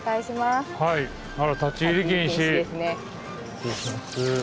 失礼します。